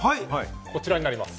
こちらになります。